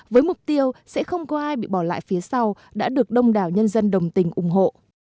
với mục tiêu sẽ không có ai bị bỏ lại phía sau đã được đông đảo nhân dân đồng tình ủng hộ